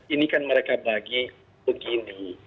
ini kan mereka bagi begini